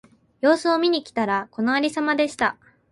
様子を見に来たら、このありさまでした。